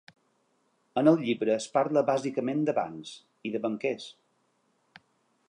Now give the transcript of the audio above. En el llibre es parla bàsicament de bancs, i de banquers.